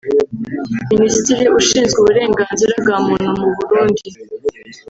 Minisitiri ushinzwe uburenganzira bwa muntu mu Burundi